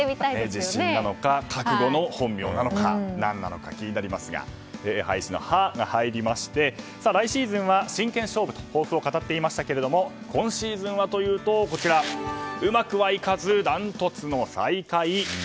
自信なのか、覚悟の本名なのか気になりますが廃止の「ハ」が入りまして来シーズンは真剣勝負と抱負を語っていましたが今シーズンはというとうまくはいかずダントツの最下位。